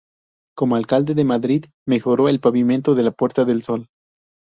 Como alcalde de Madrid, mejoró el pavimento de la Puerta del Sol.